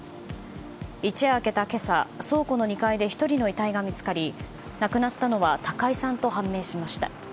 一夜明けた今朝、倉庫の２階で１人の遺体が見つかり亡くなったのは高井さんと判明しました。